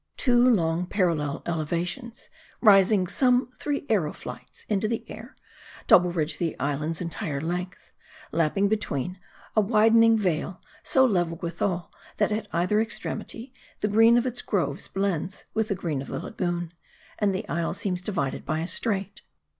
Two long parallel elevations, rising some three arrow flights into the air, double ridge the island's entire length, lapping between, a widening vale, so level withal, that at either extremity, the green of its groves blends with the green of the lagoon ; and the isle seems divided by a strait.